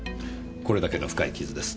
これだけの深い傷です。